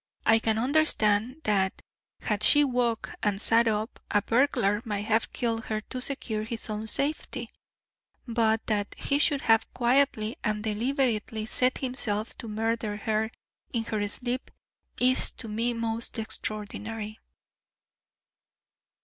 I can understand that had she woke and sat up, a burglar might have killed her to secure his own safety, but that he should have quietly and deliberately set himself to murder her in her sleep is to me most extraordinary."